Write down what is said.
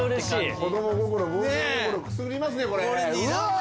子供心冒険心くすぐりますねこれ。